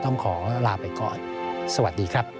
ต้องขอลาไปก่อนสวัสดีครับ